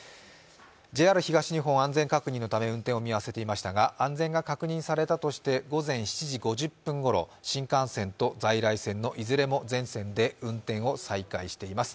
ＪＲ東日本は安全確認のため運転を見合わせていましたが安全が確認されたとして午前７時５０分頃、新幹線と在来線のいずれも全線で運転を再開しています。